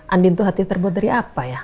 andin itu hati terbuat dari apa ya